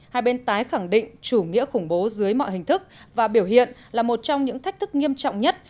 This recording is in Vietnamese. hai bên tái khẳng định chủ nghĩa khủng bố dưới mọi hình thức và biểu hiện là một trong những thách thức nghiêm trọng nhất